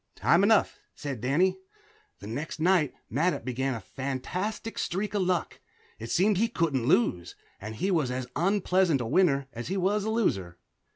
"Time enough," said Danny. The next night Mattup began a fantastic streak of luck. It seemed he couldn't lose, and he was as unpleasant a winner as he was a loser.